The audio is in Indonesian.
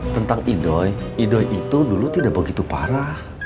tentang idoi idoi itu dulu tidak begitu parah